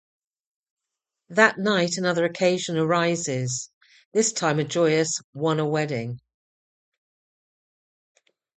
That night another occasion arises, this time a joyous one-a wedding.